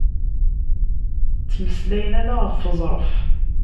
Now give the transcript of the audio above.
Ttmeslayen ala ɣef uẓref.